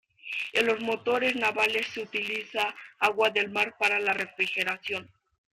En los motores navales se utiliza agua del mar para la refrigeración.